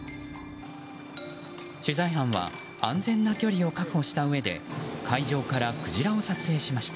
取材班は安全な距離を確保したうえで海上からクジラを撮影しました。